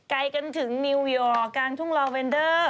ไกลกันถึงนิวยอร์กกลางทุ่งลอเวนเดอร์